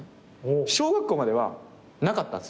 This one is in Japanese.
小学校まではなかったんです。